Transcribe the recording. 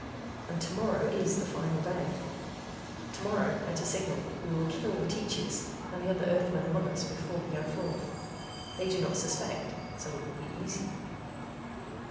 And tomorrow is the final day. Tomorrow, at a signal, we will kill the teachers and the other Earthmen among us before we go forth. They do not suspect, so it will be easy.